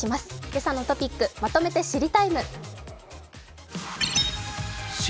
「けさのトピックまとめて知りＴＩＭＥ，」。